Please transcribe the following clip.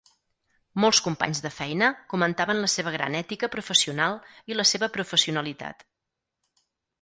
Molts companys de feina comentaven la seva gran ètica professional i la seva professionalitat.